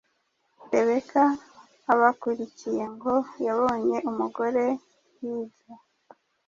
rebecca abakurikiye ngo yabonye umugore hirya